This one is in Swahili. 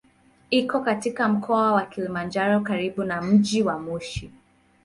Iko katika Mkoa wa Kilimanjaro karibu na mji wa Moshi.